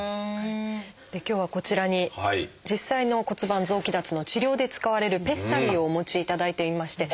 今日はこちらに実際の骨盤臓器脱の治療で使われるペッサリーをお持ちいただいていまして。